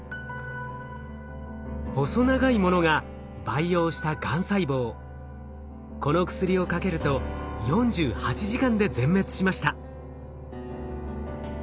細長いものが培養したこの薬をかけると４８時間で全滅しました。